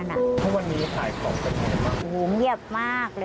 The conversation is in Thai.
เพราะวันนี้ขายของใส่ไหนป้าง